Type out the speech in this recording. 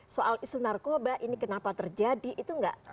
soal isu narkoba ini kenapa terjadi itu tidak dimiliki